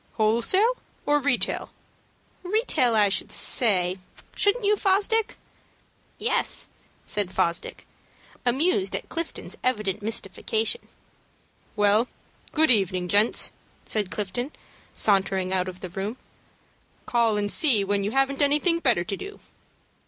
"Wholesale or retail?" "Retail I should say, shouldn't you, Fosdick?" "Yes," said Fosdick, amused at Clifton's evident mystification. "Well, good evening, gents," said Clifton, sauntering out of the room. "Call and see me when you haven't anything better to do."